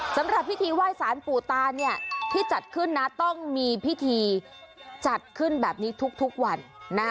สำหรับพิธีไหว้สารปู่ตาเนี่ยที่จัดขึ้นนะต้องมีพิธีจัดขึ้นแบบนี้ทุกวัน